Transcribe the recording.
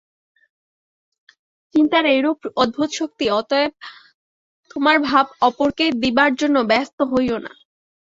চিন্তার এইরূপ অদ্ভুত শক্তি! অতএব তোমার ভাব অপরকে দিবার জন্য ব্যস্ত হইও না।